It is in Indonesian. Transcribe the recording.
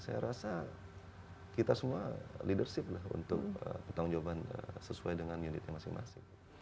saya rasa kita semua leadership lah untuk bertanggung jawaban sesuai dengan unitnya masing masing